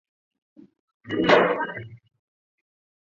闻名的特产是竹手工艺品。